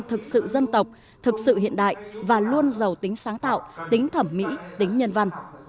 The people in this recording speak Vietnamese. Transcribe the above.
thực sự dân tộc thực sự hiện đại và luôn giàu tính sáng tạo tính thẩm mỹ tính nhân văn